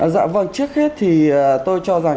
dạ vâng trước hết thì tôi cho rằng